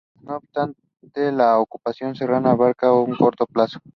No obstante, la ocupación serrana abarcará un corto plazo.